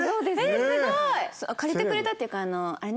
すごい！借りてくれたっていうかあのあれね。